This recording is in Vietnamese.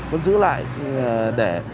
vẫn giữ lại để